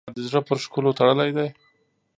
لا دي زړه پر ښکلو تړلی دی.